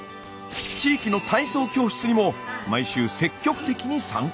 地域の体操教室にも毎週積極的に参加。